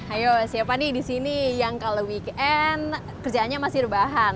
ayo siapa nih di sini yang kalau weekend kerjaannya masih rebahan